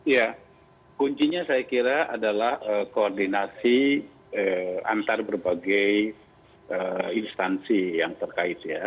ya kuncinya saya kira adalah koordinasi antar berbagai instansi yang terkait ya